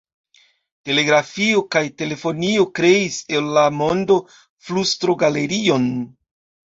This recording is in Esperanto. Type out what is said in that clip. Telegrafio kaj telefonio kreis el la mondo flustrogalerion.